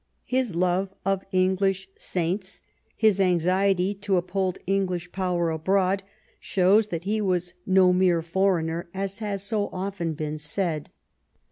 His love of English saints, his anxiety to uphold English power abroad, shows that he was no mere foreigner, as has so often been said.